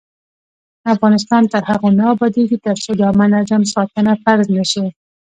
افغانستان تر هغو نه ابادیږي، ترڅو د عامه نظم ساتنه فرض نشي.